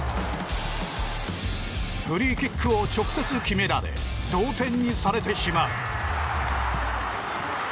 フリーキックを直接決められ同点にされてしまう。